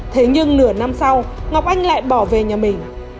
thế nhưng nửa năm sau ngọc anh lại bỏ về nhà mình